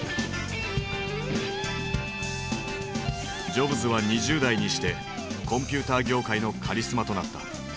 ジョブズは２０代にしてコンピューター業界のカリスマとなった。